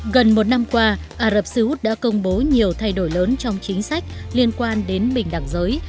gần một năm qua ả rập xê út đã công bố nhiều thay đổi lớn trong chính sách liên quan đến bình đẳng giới